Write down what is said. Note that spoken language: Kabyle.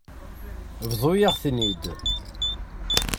Bḍu-yaɣ-ten-id.